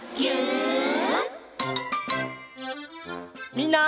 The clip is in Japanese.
みんな。